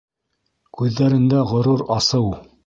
Күҙҙәрендә ғорур асыу.